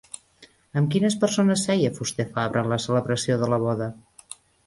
Amb quines persones seia Fuster-Fabra en la celebració de la boda?